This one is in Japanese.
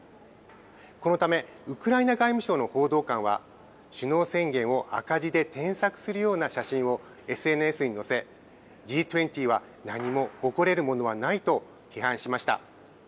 このため、ウクライナ外務省の報道官は、首脳宣言を赤字で添削するような写真をＳＮＳに載せ、Ｇ２０は何も誇れるものはないと批判しました。